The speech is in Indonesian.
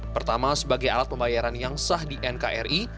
pertama sebagai alat pembayaran yang sah di nkri